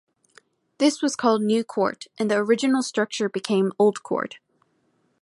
This was called "New Court", and the original structure became "Old Court".